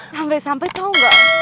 sampai sampai tau gak